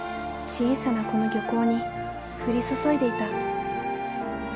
小さなこの漁港に降り注いでいた。